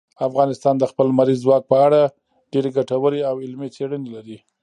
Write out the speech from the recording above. افغانستان د خپل لمریز ځواک په اړه ډېرې ګټورې او علمي څېړنې لري.